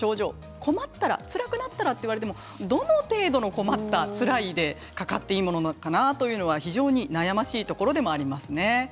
困ったら、つらくなったらと言われても、どの程度の困った、つらいでかかっていいものかなというのは非常に悩ましいものでもありますね。